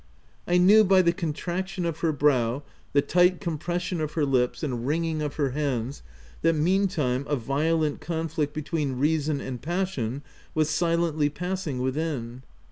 I knew by the contraction of her brow, the tight com pression of her lips, and wringing of her hands, that meantime a violent conflict between reason and passion, was silently passing within.